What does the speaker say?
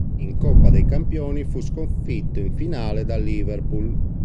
In Coppa dei Campioni fu sconfitto in finale dal Liverpool.